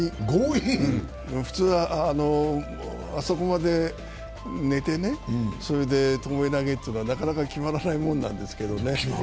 普通はあそこまで寝てね、それでともえ投げというのはなかなか決まらないもんなんですけどね。